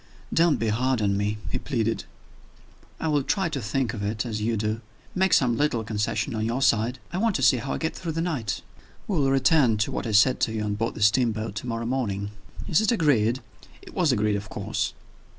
"Don't be hard on me," he pleaded. "I will try to think of it as you do. Make some little concession on your side. I want to see how I get through the night. We will return to what I said to you on board the steamboat to morrow morning. Is it agreed?" It was agreed, of course.